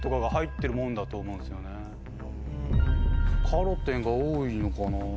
カロテンが多いのかなぁ？